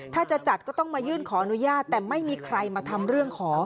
ถ้าจะจัดก็ต้องมายื่นขออนุญาตแต่ไม่มีใครมาทำเรื่องขอ